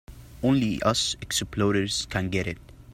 Only us explorers can get it.